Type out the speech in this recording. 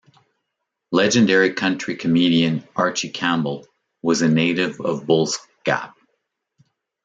Legendary country comedian Archie Campbell was a native of Bulls Gap.